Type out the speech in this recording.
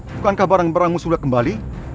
bukankah barang barangmu sudah kembali